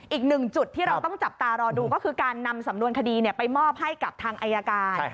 อีกหนึ่งจุดที่เราต้องจับตารอดูก็คือการนำสำนวนคดีไปมอบให้กับทางอายการ